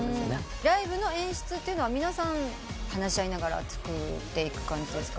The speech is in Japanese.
ライブの演出っていうのは皆さん話し合いながら作っていく感じですか？